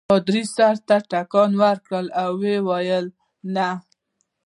پادري سر ته ټکان ورکړ او ویې ویل نه.